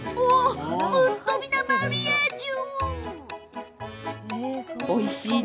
ぶっとび！なマリアージュ。